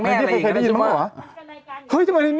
แม่แดงแม่อะไรอีกนะ